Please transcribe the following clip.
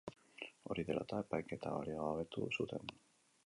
Hori dela eta, epaiketa baliogabetu zuten.